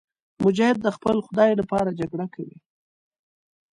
مجاهد د خپل خدای لپاره جګړه کوي.